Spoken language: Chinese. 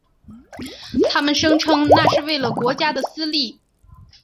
他们声称当那是为了国家的私利。